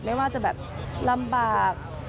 ไม่ว่าจะแบบลำบาก